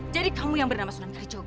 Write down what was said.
jadi kamu yang bernama sunan kalijogo